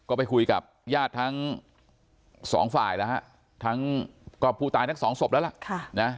ก็ไปคุยกับหญ้าทั้งปีพู่ตายทั้งสองศพแล้ว